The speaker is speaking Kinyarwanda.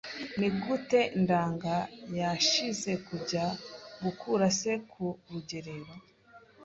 Ni gute Ndaga yashije kujya gukura se ku rugerero